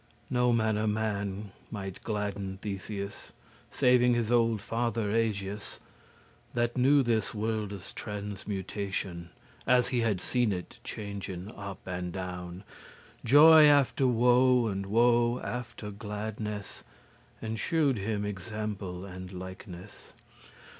No manner man might gladden Theseus, Saving his olde father Egeus, That knew this worlde's transmutatioun, As he had seen it changen up and down, Joy after woe, and woe after gladness; And shewed him example and likeness.